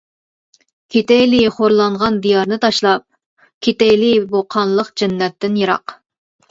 كېتەيلى خورلانغان دىيارنى تاشلاپ، كېتەيلى بۇ قانلىق جەننەتتىن يىراق.